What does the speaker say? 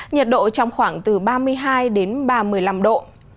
nhiệt độ trong khoảng từ ba mươi hai ba mươi năm độ